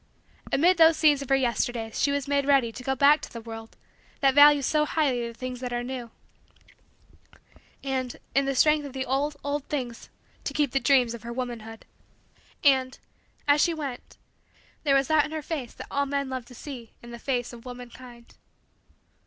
Amid those scenes of her Yesterdays she was made ready to go back to the world that values so highly things that are new, and, in the strength of the old, old, things to keep the dreams of her womanhood. And, as she went, there was that in her face that all men love to see in the face of womankind.